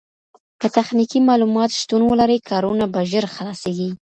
که تخنيکي معلومات شتون ولري کارونه به ژر خلاصيږي.